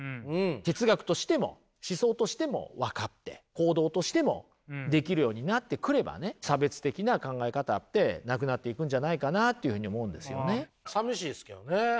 哲学としても思想としても分かって行動としてもできるようになってくれば差別的な考え方ってなくなっていくんじゃないかなというふうに思うんですよね。